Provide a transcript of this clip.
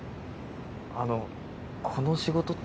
あのこの仕事って。